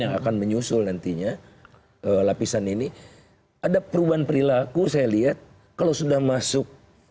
yang akan menyusul nantinya lapisan ini ada perubahan perilaku saya lihat kalau sudah masuk